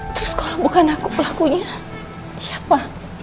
terus kalau bukan aku pelakunya siapa